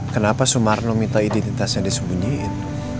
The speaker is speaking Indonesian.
kenapa sumarno minta identitasnya disembunyiin